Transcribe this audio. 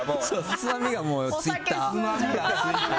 つまみがツイッター。